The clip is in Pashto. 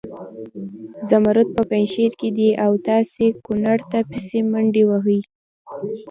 زمرود په پنجشیر کې دي او تاسې کنړ ته پسې منډې وهئ.